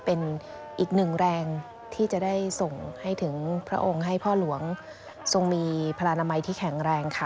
เป็นอีกหนึ่งแรงที่จะได้ส่งให้ถึงพระองค์ให้พ่อหลวงทรงมีพระนามัยที่แข็งแรงค่ะ